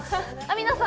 皆さん